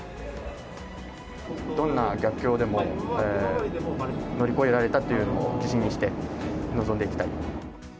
どんな逆境でも乗り越えられたっていうのを自信にして、臨んでいきたい。